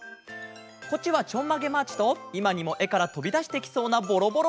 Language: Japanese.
こっちは「ちょんまげマーチ」といまにもえからとびだしてきそうな「ボロボロロケット」。